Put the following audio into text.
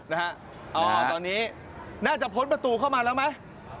นะฮะตอนนี้น่าจะพ้นประตูเข้ามาแล้วไหม